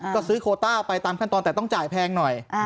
ก็ซื้อโคต้าไปตามขั้นตอนแต่ต้องจ่ายแพงหน่อย